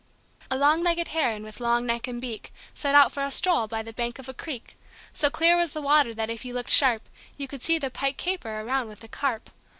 A long legged Heron, with long neck and beak, Set out for a stroll by the bank of a creek. So clear was the water that if you looked sharp You could see the pike caper around with the carp.